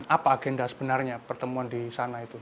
apa agenda sebenarnya pertemuan di sana itu